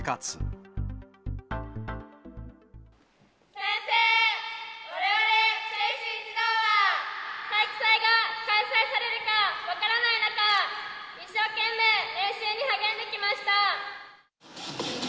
宣誓、われわれ選手一同は、体育祭が開催されるか分からない中、一生懸命練習に励んできました。